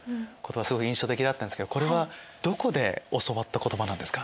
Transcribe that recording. すごく印象的だったんですけどこれはどこで教わった言葉なんですか？